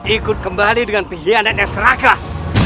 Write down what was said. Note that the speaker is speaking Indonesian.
ikut kembali dengan pihianannya serakah